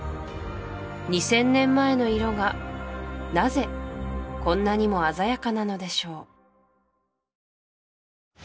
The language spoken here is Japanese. ２０００年前の色がなぜこんなにも鮮やかなのでしょう